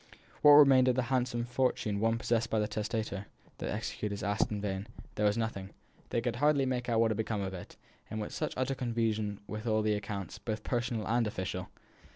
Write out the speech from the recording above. What remained of the handsome fortune once possessed by the testator? The executors asked in vain; there was nothing. They could hardly make out what had become of it, in such utter confusion were all the accounts, both personal and official.